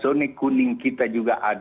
zona kuning kita juga ada